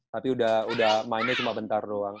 tapi udah mainnya cuma bentar doang